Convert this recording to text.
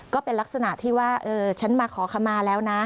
ก็เป็นลักษณะที่ว่าฉันมาขอขมาแล้วนะ